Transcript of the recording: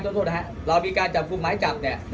หรือถึงสิบห้าเนี้ยมีการจับคลุมให้หมดร้อยห้าสิบไหม